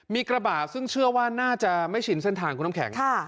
มีกระบะซึ่งเชื่อว่าน่าจะไม่ชินเส้นทางคุณน้ำแข็ง